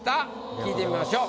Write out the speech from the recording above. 聞いてみましょう。